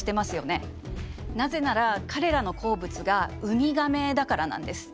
なぜなら彼らの好物がウミガメだからなんです。